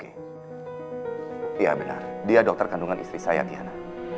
iya benar dia dokter kandungan istri saya tiana